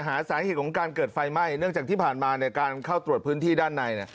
หาสาเหตุของการเกิดไฟไหม้เนื่องจากที่ผ่านมาการเข้าตรวจพื้นที่ด้านใน